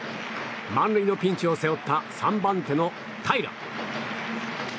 満塁のピンチを背負った３番手の平良。